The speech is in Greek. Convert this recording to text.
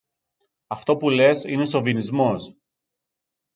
Αυτό που λες είναι σωβινισμός.